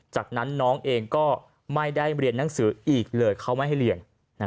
จากนั้นน้องเองก็ไม่ได้เรียนหนังสืออีกเลยเขาไม่ให้เรียน